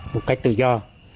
một cách tự do